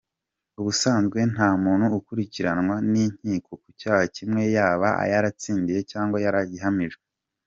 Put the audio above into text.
Ubusanzwe nta muntu ukurikiranwa n’inkiko ku cyaha kimwe yaba yaratsindiye cg yarahamijwe.